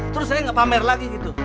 terus saya ngepamer lagi gitu